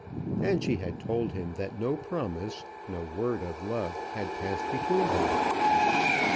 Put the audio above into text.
And she had told him that no promise, no word of love, had passed between them.